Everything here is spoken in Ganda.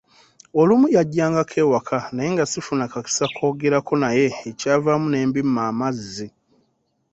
Olumu yajjangako ewaka naye nga sifuna kakisa koogerako naye ekyavaamu ne mbimma amazzi.